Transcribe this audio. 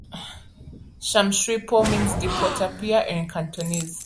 Sham Shui Po means "Deep Water Pier" in Cantonese.